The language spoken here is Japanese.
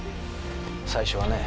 最初はね。